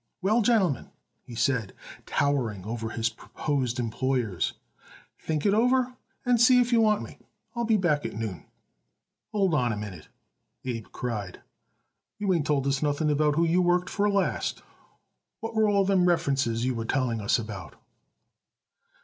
"Well, gentlemen," he said, towering over his proposed employers, "think it over and see if you want me. I'll be back at noon." "Hold on a minute," Abe cried. "You ain't told us nothing about who you worked for last. What were all them references you was telling us about?"